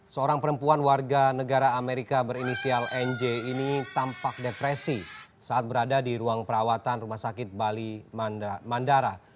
seorang perempuan warga negara amerika berinisial nj ini tampak depresi saat berada di ruang perawatan rumah sakit bali mandara